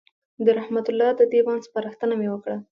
د رحمت الله د دېوان سپارښتنه مې وکړه.